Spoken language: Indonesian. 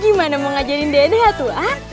gimana mau ngajarin deh tuhan